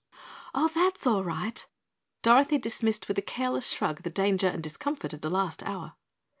"Oh, that's all right." Dorothy dismissed with a careless shrug the danger and discomfort of the last hour.